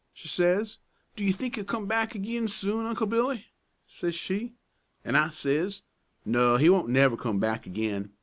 she says. 'Do you think he'll come back agin soon, Uncle Billy?' says she. An' I says, 'No, he won't never come back agin.